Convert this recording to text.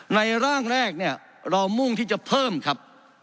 ร่างแรกเนี่ยเรามุ่งที่จะเพิ่มครับ